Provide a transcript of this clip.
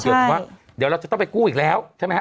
ว่าเดี๋ยวเราจะต้องไปกู้อีกแล้วใช่ไหมฮะ